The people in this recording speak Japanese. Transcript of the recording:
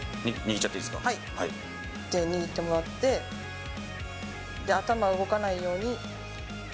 じゃあ、手、握ってもらって、頭動かないように。